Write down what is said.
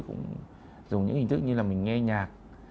cũng dùng những hình thức như là mình nghe nhạc